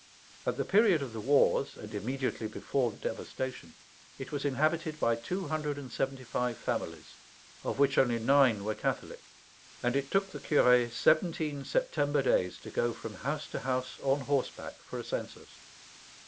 At the period of the wars, and immediately before the devastation, it was inhabited by two hundred and seventy five families, of which only nine were Catholic; and it took the curé seventeen September days to go from house to house on horseback for a census.